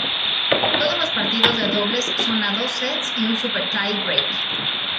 Todos los partidos de dobles son a dos sets y un Super Tie-break.